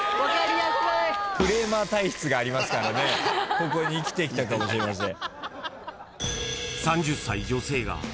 ここに生きてきたかもしれません。